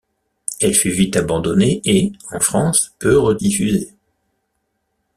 Elle fut vite abandonnée et, en France, peu rediffusée.